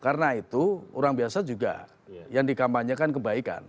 karena itu orang biasa juga yang di kampanye kan kebaikan